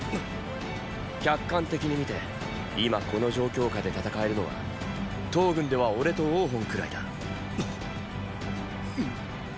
客観的に見て今この状況下で戦えるのは騰軍では俺と王賁くらいだ。！